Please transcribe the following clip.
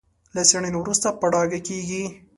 له څېړنې وروسته په ډاګه کېږي.